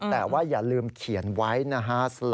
แต่ว่าอย่าลืมเขียนไว้นะฮะ